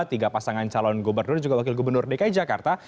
tiga pasangan calon gubernur dan juga wakil gubernur dki jakarta